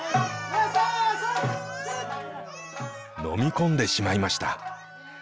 飲み込んでしまいました。